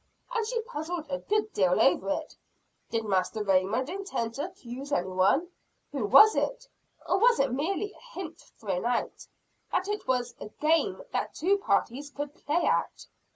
And she puzzled a good deal over it. Did Master Raymond intend to accuse anyone? Who was it? Or was it merely a hint thrown out, that it was a game that two parties could play at?